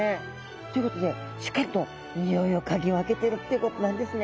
ということでしっかりとにおいを嗅ぎ分けてるっていうことなんですね。